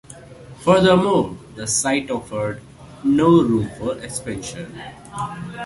Furthermore, the site offered no room for expansion.